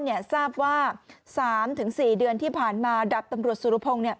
ทราบว่า๓๔เดือนที่ผ่านมาดับตำรวจสุรพงศ์